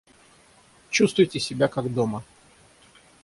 Чувствуйте себя, как дома.